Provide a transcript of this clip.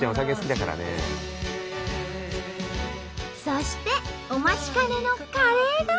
そしてお待ちかねのカレーが。